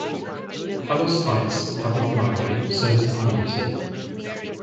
Palos Heights Public Library serves the community.